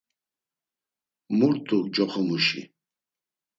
Mu rt̆u coxomuşi?